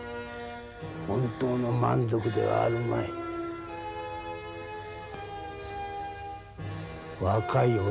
本当の満足ではあるまい。